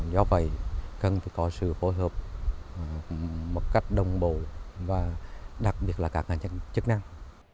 do vậy cần phải có sự phối hợp một cách đồng bộ và đặc biệt là các ngành chức năng